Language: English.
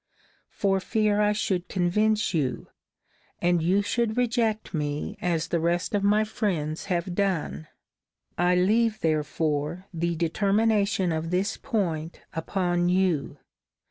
For fear I should convince you; and you should reject me as the rest of my friends have done. I leave therefore the determination of this point upon you.